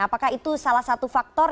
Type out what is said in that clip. apakah itu salah satu faktor